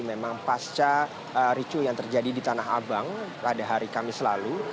memang pasca ricu yang terjadi di tanah abang pada hari kamis lalu